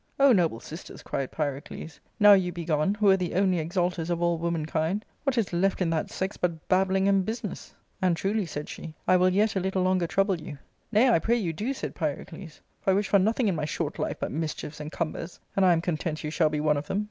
" O noble sisters," cried Pyrocles, " now you be gone, who were the only exalters of all womankind, what is left in that sex but babbling and business ?"*" And truly," said she, " I will yet a little longer trouble you." " Nay, I pray you do," said Pyrocles ;" for I wish for nothing in my short life but mischiefs and cumbers, and I am content you shall be one of them."